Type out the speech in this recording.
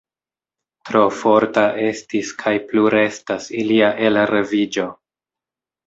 Tro forta estis kaj plu restas ilia elreviĝo.